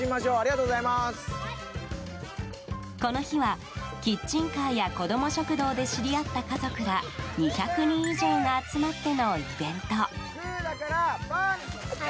この日はキッチンカーや子ども食堂で知り合った家族ら２００人以上が集まってのイベント。